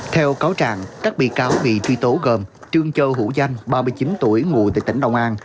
theo cáo trạng các bị cáo bị truy tố gồm trương châu hữu danh ba mươi chín tuổi ngụ tại tỉnh đồng an